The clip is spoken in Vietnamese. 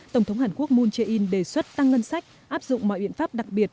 tổng thống hàn quốc moon jae in đề xuất tăng ngân sách áp dụng mọi biện pháp đặc biệt